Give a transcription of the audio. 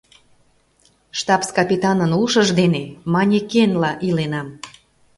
Штабс-капитанын ушыж дене манекенла иленам.